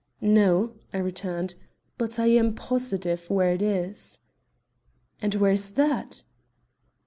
"No," I returned, "but I am positive where it is." "And where is that?"